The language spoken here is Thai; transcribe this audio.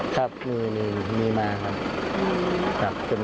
ครับมีมาครับ